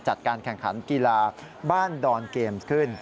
จัดการแข่งขันกีฬาบ้านดอนเกมส์ขึ้น